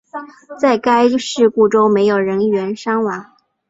在该事故中没有人员伤亡。